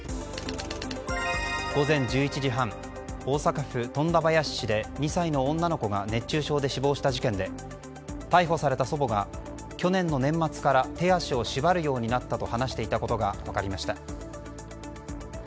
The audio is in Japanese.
午前１１時半、大阪府富田林市で２歳の女の子が熱中症で死亡した事件で逮捕された祖母が去年の年末から手足を縛るようになったと話していたことが分かりました。